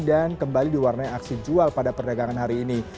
kembali diwarnai aksi jual pada perdagangan hari ini